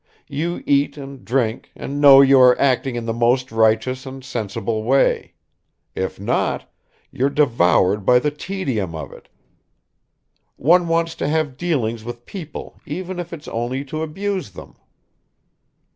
You eat and drink and know you are acting in the most righteous and sensible way. If not, you're devoured by the tedium of it. One wants to have dealings with people even if it's only to abuse them."